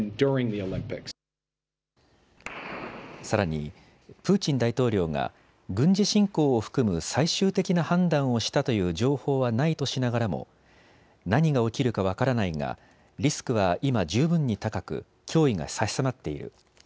さらにプーチン大統領が軍事侵攻を含む最終的な判断をしたという情報はないとしながらも何が起きるか分からないがリスクは今、十分に高く脅威が差し迫っている。